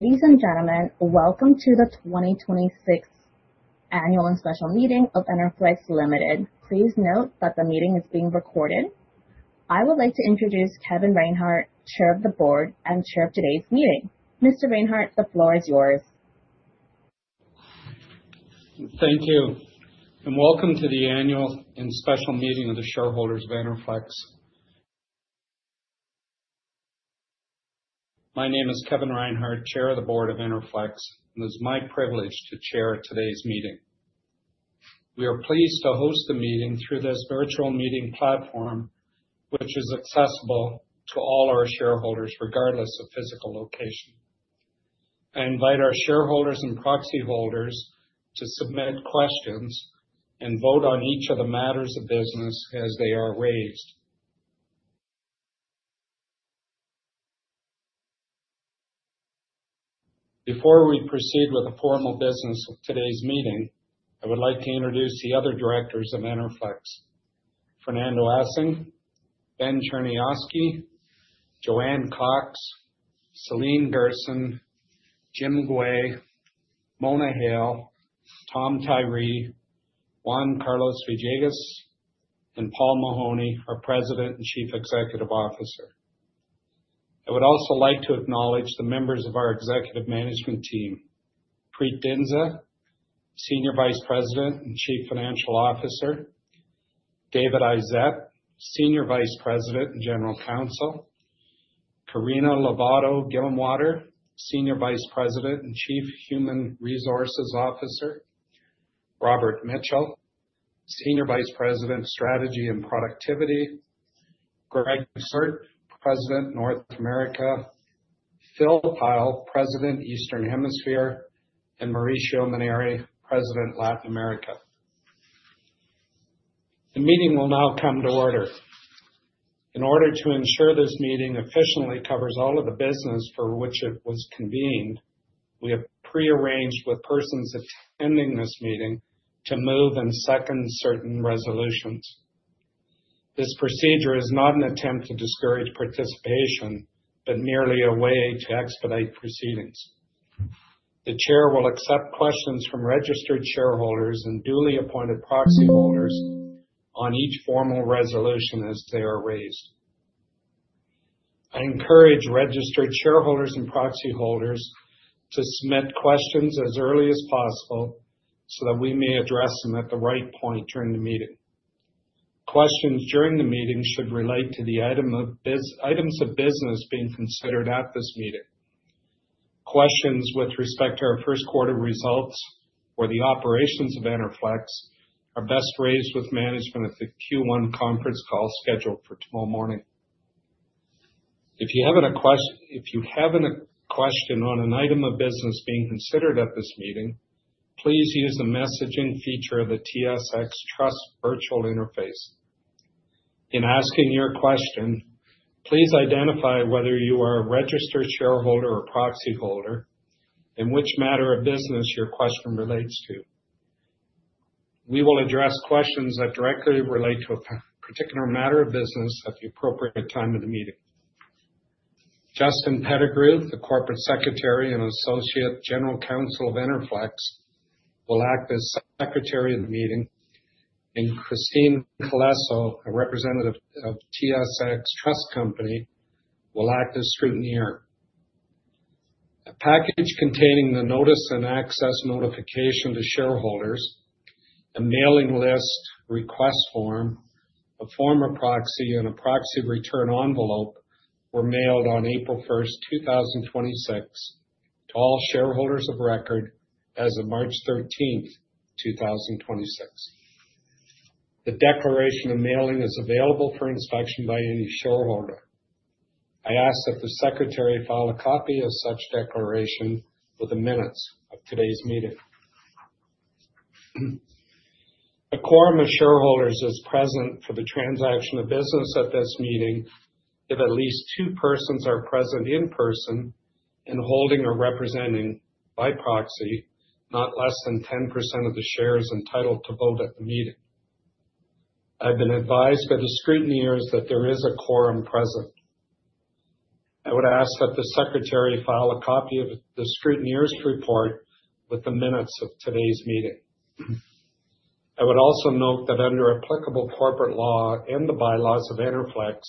Ladies and gentlemen, welcome to the 2026 Annual and Special Meeting of Enerflex Ltd. Please note that the meeting is being recorded. I would like to introduce Kevin Reinhart, Chair of the Board and chair of today's meeting. Mr. Reinhart, the floor is yours. Thank you, and welcome to the annual and special meeting of the shareholders of Enerflex. My name is Kevin Reinhart, chair of the board of Enerflex, and it's my privilege to chair today's meeting. We are pleased to host the meeting through this virtual meeting platform, which is accessible to all our shareholders, regardless of physical location. I invite our shareholders and proxy holders to submit questions and vote on each of the matters of business as they are raised. Before we proceed with the formal business of today's meeting, I would like to introduce the other directors of Enerflex, Fernando Assing, Ben Cherniavsky, Joanne Cox, Céline Gerson, Jim Gouin, Mona Hale, Tom Tyree, Juan Carlos Villegas, and Paul Mahoney, our President and Chief Executive Officer. I would also like to acknowledge the members of our executive management team, Preet Dhindsa, Senior Vice President and Chief Financial Officer, David Izett, Senior Vice President and General Counsel, Carina Lovato Gillenwater, Senior Vice President and Chief Human Resources Officer, Robert Mitchell, Senior Vice President of Strategy and Productivity, Greg Stewart, President, North America, Phil Pyle, President, Eastern Hemisphere, and Mauricio Meineri, President, Latin America. The meeting will now come to order. In order to ensure this meeting efficiently covers all of the business for which it was convened, we have prearranged with persons attending this meeting to move and second certain resolutions. This procedure is not an attempt to discourage participation, but merely a way to expedite proceedings. The chair will accept questions from registered shareholders and duly appointed proxy holders on each formal resolution as they are raised. I encourage registered shareholders and proxy holders to submit questions as early as possible so that we may address them at the right point during the meeting. Questions during the meeting should relate to the items of business being considered at this meeting. Questions with respect to our first quarter results or the operations of Enerflex are best raised with management at the Q1 conference call scheduled for tomorrow morning. If you have a question on an item of business being considered at this meeting, please use the messaging feature of the TSX Trust virtual interface. In asking your question, please identify whether you are a registered shareholder or proxy holder and which matter of business your question relates to. We will address questions that directly relate to a particular matter of business at the appropriate time of the meeting. Justin Pettigrew, the Corporate Secretary and Associate General Counsel of Enerflex, will act as secretary of the meeting, and Kristine Calesso, a representative of TSX Trust Company, will act as scrutineer. A package containing the notice and access notification to shareholders, a mailing list, request form, a form of proxy, and a proxy return envelope were mailed on April 1st, 2026, to all shareholders of record as of March 13th, 2026. The declaration of mailing is available for inspection by any shareholder. I ask that the secretary file a copy of such declaration with the minutes of today's meeting. A quorum of shareholders is present for the transaction of business at this meeting, if at least two persons are present in person and holding or representing by proxy, not less than 10% of the shares entitled to vote at the meeting. I've been advised by the scrutineers that there is a quorum present. I would ask that the secretary file a copy of the scrutineer's report with the minutes of today's meeting. I would also note that under applicable corporate law and the bylaws of Enerflex,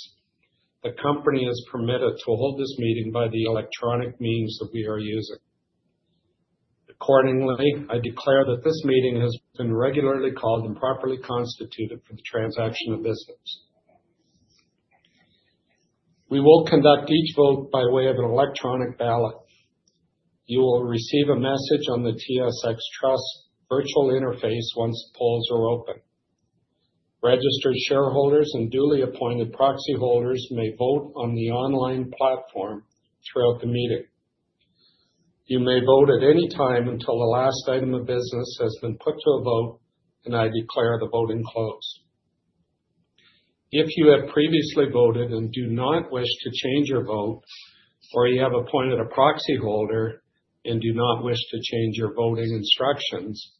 the company is permitted to hold this meeting by the electronic means that we are using. Accordingly, I declare that this meeting has been regularly called and properly constituted for the transaction of business. We will conduct each vote by way of an electronic ballot. You will receive a message on the TSX Trust virtual interface once the polls are open. Registered shareholders and duly appointed proxy holders may vote on the online platform throughout the meeting. You may vote at any time until the last item of business has been put to a vote and I declare the voting closed. If you have previously voted and do not wish to change your vote, or you have appointed a proxy holder and do not wish to change your voting instructions,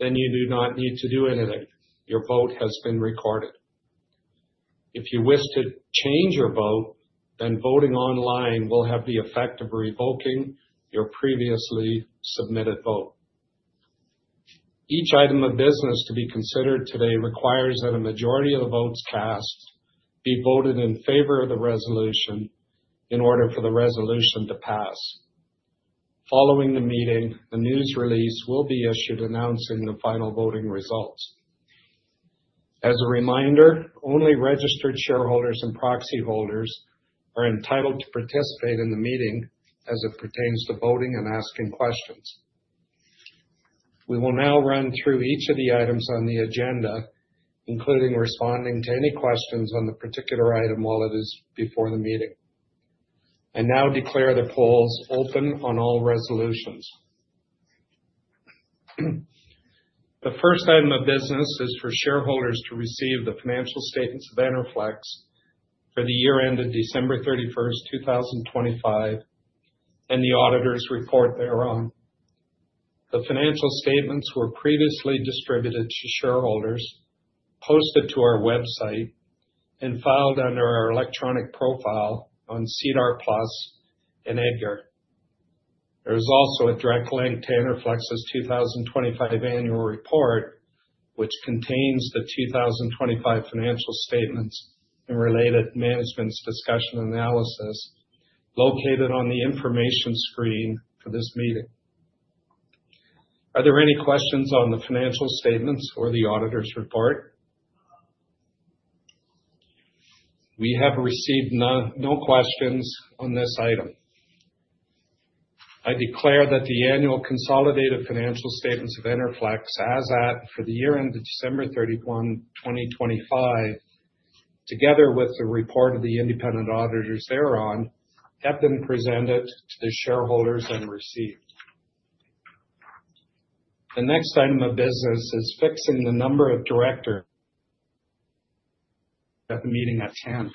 then you do not need to do anything. Your vote has been recorded. If you wish to change your vote, then voting online will have the effect of revoking your previously submitted vote. Each item of business to be considered today requires that a majority of the votes cast be voted in favor of the resolution in order for the resolution to pass. Following the meeting, a news release will be issued announcing the final voting results. As a reminder, only registered shareholders and proxy holders are entitled to participate in the meeting as it pertains to voting and asking questions. We will now run through each of the items on the agenda, including responding to any questions on the particular item while it is before the meeting. I now declare the polls open on all resolutions. The first item of business is for shareholders to receive the financial statements of Enerflex for the year end of December 31st, 2025, and the auditors report thereon. The financial statements were previously distributed to shareholders, posted to our website, and filed under our electronic profile on SEDAR+ and EDGAR. There is also a direct link to Enerflex's 2025 annual report, which contains the 2025 financial statements and related management's discussion analysis located on the information screen for this meeting. Are there any questions on the financial statements or the auditors report? We have received no questions on this item. I declare that the annual consolidated financial statements of Enerflex as at for the year end of December 31, 2025, together with the report of the independent auditors thereon, have been presented to the shareholders and received. The next item of business is fixing the number of directors at the meeting at 10.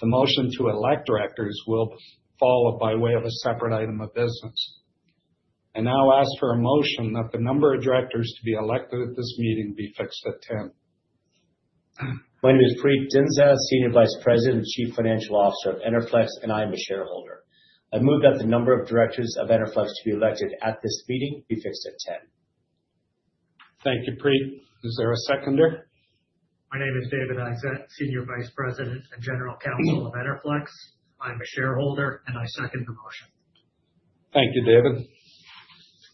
The motion to elect directors will follow by way of a separate item of business. I now ask for a motion that the number of directors to be elected at this meeting be fixed at 10. My name is Preet Dhindsa, Senior Vice President and Chief Financial Officer of Enerflex, and I am a shareholder. I move that the number of directors of Enerflex to be elected at this meeting be fixed at 10. Thank you, Preet. Is there a seconder? My name is David Izett, Senior Vice President and General Counsel of Enerflex. I'm a shareholder, I second the motion. Thank you, David.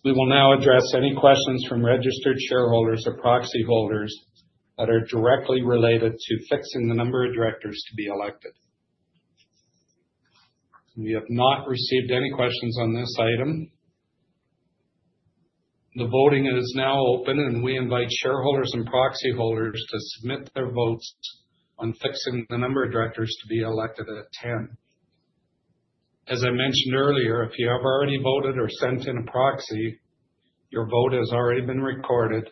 We will now address any questions from registered shareholders or proxy holders that are directly related to fixing the number of directors to be elected. We have not received any questions on this item. The voting is now open, and we invite shareholders and proxy holders to submit their votes on fixing the number of directors to be elected at 10. As I mentioned earlier, if you have already voted or sent in a proxy, your vote has already been recorded,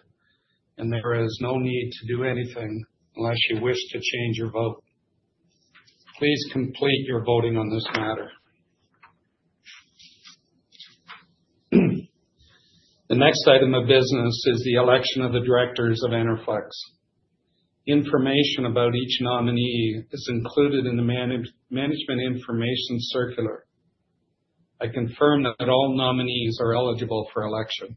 and there is no need to do anything unless you wish to change your vote. Please complete your voting on this matter. The next item of business is the election of the directors of Enerflex. Information about each nominee is included in the management information circular. I confirm that all nominees are eligible for election.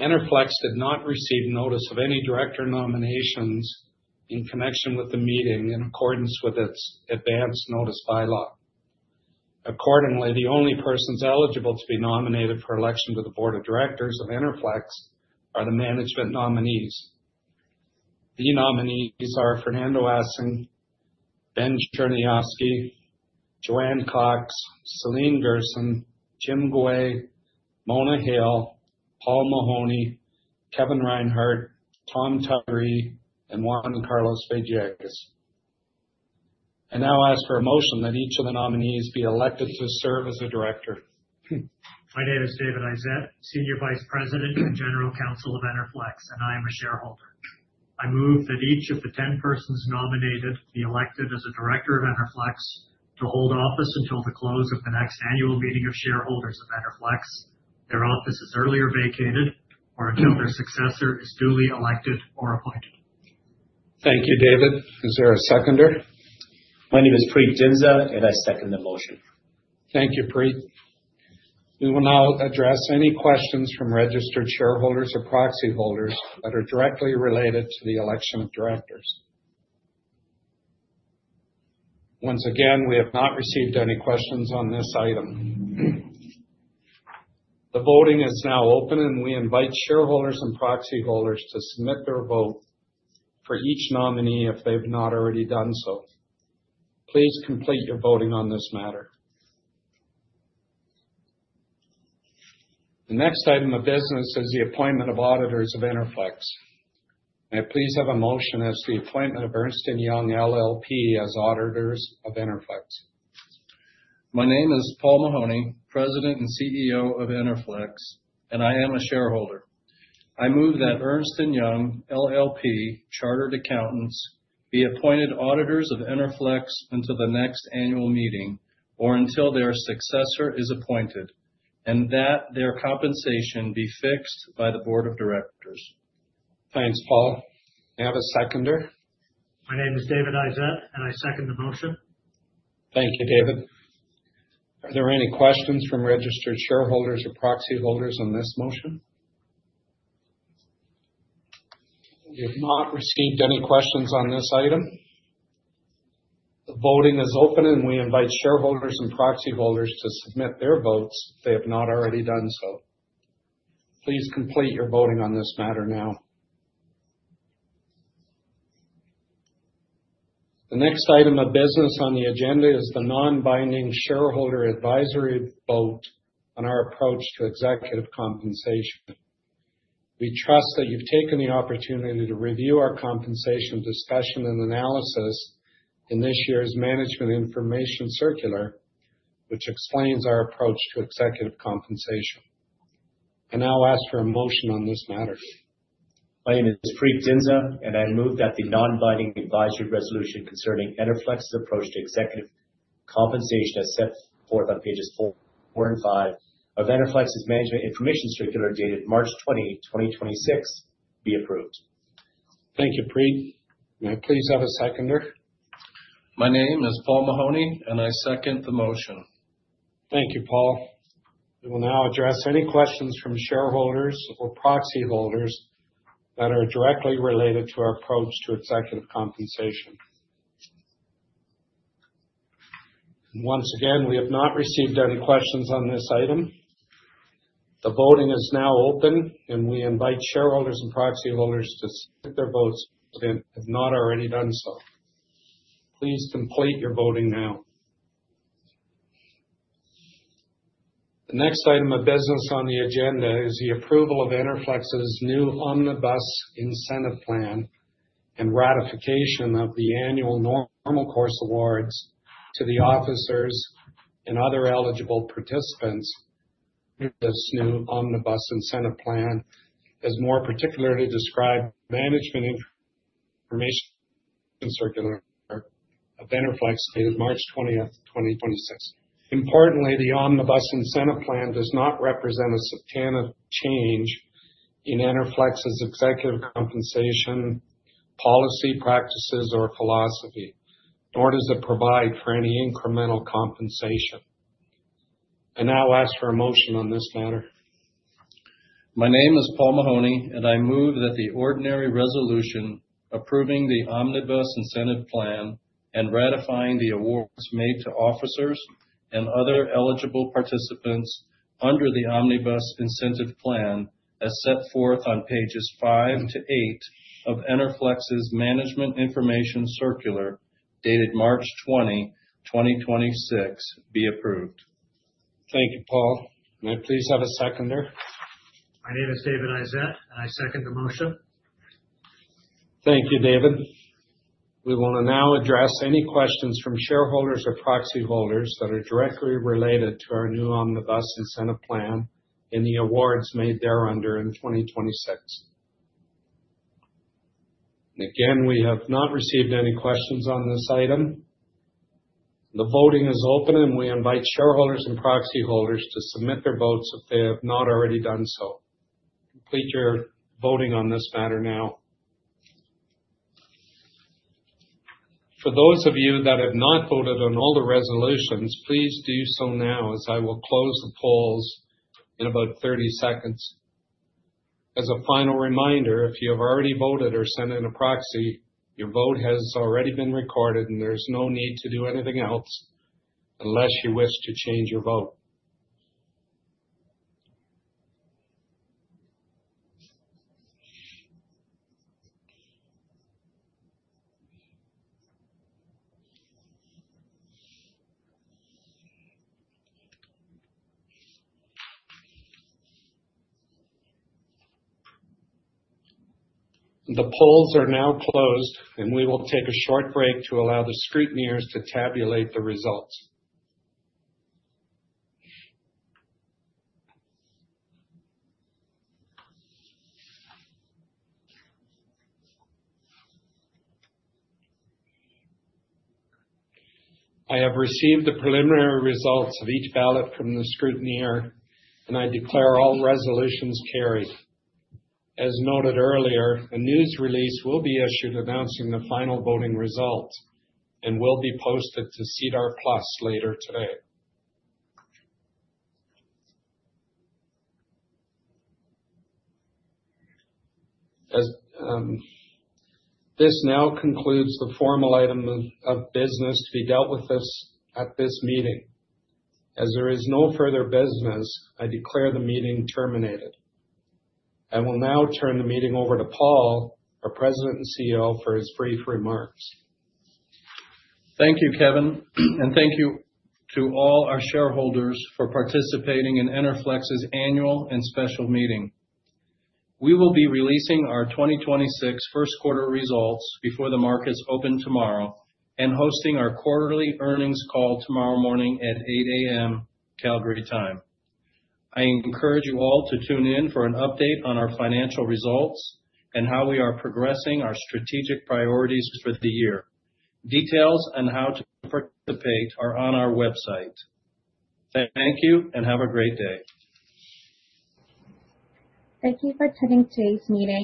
Enerflex did not receive notice of any director nominations in connection with the meeting in accordance with its advanced notice bylaw. Accordingly, the only persons eligible to be nominated for election to the board of directors of Enerflex are the management nominees. The nominees are Fernando Assing, Ben Cherniavsky, Joanne Cox, Céline Gerson, Jim Gouin, Mona Hale, Paul Mahoney, Kevin Reinhart, Tom Tyree, and Juan Carlos Villegas. I now ask for a motion that each of the nominees be elected to serve as a director. My name is David Izett, Senior Vice President and General Counsel of Enerflex, and I am a shareholder. I move that each of the 10 persons nominated be elected as a director of Enerflex to hold office until the close of the next annual meeting of shareholders of Enerflex, their offices earlier vacated, or until their successor is duly elected or appointed. Thank you, David. Is there a seconder? My name is Preet Dhindsa, and I second the motion. Thank you, Preet. We will now address any questions from registered shareholders or proxy holders that are directly related to the election of directors. Once again, we have not received any questions on this item. The voting is now open, and we invite shareholders and proxy holders to submit their vote for each nominee if they've not already done so. Please complete your voting on this matter. The next item of business is the appointment of auditors of Enerflex. May I please have a motion as to the appointment of Ernst & Young LLP as auditors of Enerflex. My name is Paul Mahoney, President and CEO of Enerflex, and I am a shareholder. I move that Ernst & Young LLP Chartered Accountants be appointed auditors of Enerflex until the next annual meeting or until their successor is appointed That their compensation be fixed by the board of directors. Thanks, Paul. May I have a seconder? My name is David Izett, and I second the motion. Thank you, David. Are there any questions from registered shareholders or proxy holders on this motion? We have not received any questions on this item. The voting is open, and we invite shareholders and proxy holders to submit their votes if they have not already done so. Please complete your voting on this matter now. The next item of business on the agenda is the non-binding shareholder advisory vote on our approach to executive compensation. We trust that you've taken the opportunity to review our compensation discussion and analysis in this year's management information circular, which explains our approach to executive compensation. I now ask for a motion on this matter. My name is Preet Dhindsa. I move that the non-binding advisory resolution concerning Enerflex's approach to executive compensation, as set forth on pages four and five of Enerflex's management information circular, dated March twentieth, 2026, be approved. Thank you, Preet. May I please have a seconder? My name is Paul Mahoney, and I second the motion. Thank you, Paul. We will now address any questions from shareholders or proxy holders that are directly related to our approach to executive compensation. Once again, we have not received any questions on this item. The voting is now open, and we invite shareholders and proxy holders to submit their votes if they have not already done so. Please complete your voting now. The next item of business on the agenda is the approval of Enerflex's new Omnibus Incentive Plan and ratification of the annual normal course awards to the officers and other eligible participants under this new Omnibus Incentive Plan, as more particularly described management information circular of Enerflex, dated March 20th, 2026. Importantly, the Omnibus Incentive Plan does not represent a substantive change in Enerflex's executive compensation policy, practices, or philosophy, nor does it provide for any incremental compensation. I now ask for a motion on this matter. My name is Paul Mahoney, and I move that the ordinary resolution approving the omnibus incentive plan and ratifying the awards made to officers and other eligible participants under the omnibus incentive plan, as set forth on pages five to eight of Enerflex's management information circular, dated March 20, 2026, be approved. Thank you, Paul. May I please have a seconder? My name is David Izett, and I second the motion. Thank you, David. We want to now address any questions from shareholders or proxy holders that are directly related to our new omnibus incentive plan and the awards made thereunder in 2026. Again, we have not received any questions on this item. The voting is open, and we invite shareholders and proxy holders to submit their votes if they have not already done so. Complete your voting on this matter now. For those of you that have not voted on all the resolutions, please do so now as I will close the polls in about 30 seconds. As a final reminder, if you have already voted or sent in a proxy, your vote has already been recorded and there's no need to do anything else unless you wish to change your vote. The polls are now closed, and we will take a short break to allow the scrutineers to tabulate the results. I have received the preliminary results of each ballot from the scrutineer, and I declare all resolutions carried. As noted earlier, a news release will be issued announcing the final voting results and will be posted to SEDAR+ later today. This now concludes the formal item of business to be dealt with at this meeting. As there is no further business, I declare the meeting terminated. I will now turn the meeting over to Paul, our President and CEO, for his brief remarks. Thank you, Kevin, and thank you to all our shareholders for participating in Enerflex's annual and special meeting. We will be releasing our 2026 first quarter results before the markets open tomorrow and hosting our quarterly earnings call tomorrow morning at 8:00 A.M. Calgary time. I encourage you all to tune in for an update on our financial results and how we are progressing our strategic priorities for the year. Details on how to participate are on our website. Thank you and have a great day. Thank you for attending today's meeting.